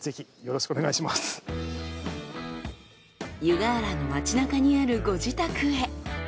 湯河原の町中にあるご自宅へ。